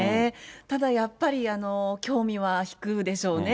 ただやっぱり、興味は引くでしょうね。